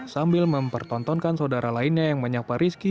sambil mempertontonkan saudara lainnya yang menyapa rizky